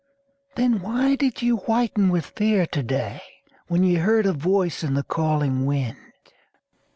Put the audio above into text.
Then why did ye whiten with fear to day When ye heard a voice in the calling wind?